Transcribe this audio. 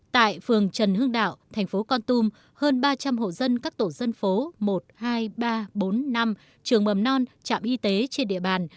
tại phường trần hương đạo thành phố con tum hơn ba trăm linh hộ dân các tổ dân phố một trăm hai mươi ba bốn năm trường mầm non trạm y tế trên địa bàn